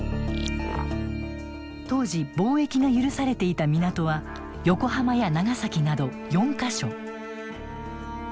当時貿易が許されていた港は横浜や長崎など４か所。